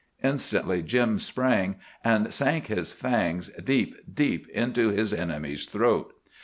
Instantly Jim sprang, and sank his fangs deep, deep, into his enemy's throat.